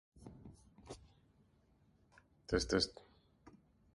Westward, evidence of contact with Libya is generally limited to military expeditions.